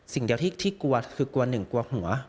สิ่งเดียวที่กลัวคือกลัวหนึ่งกลัวหัว